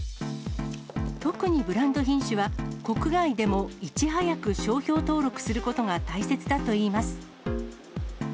特にブランド品種は、国外でもいち早く商標登録することが大切だといいます。